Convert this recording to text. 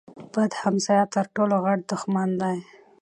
بد همسایه تر ټولو غټ دښمن دی.